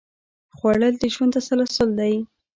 خوړل د ژوند تسلسل دی